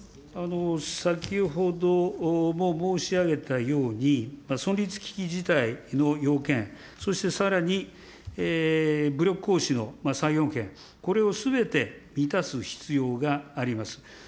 先ほども申し上げたように、存立危機事態の要件、そしてさらに、武力行使の３要件、これをすべて満たす必要があります。